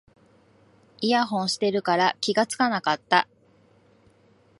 イヤホンしてるから気がつかなかった